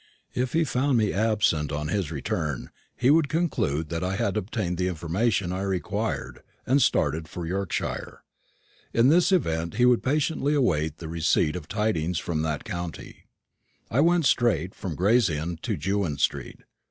If he found me absent on his return, he would conclude that I had obtained the information I required and started for Yorkshire. In this event he would patiently await the receipt of tidings from that county. I went straight from Gray's Inn to Jewin street.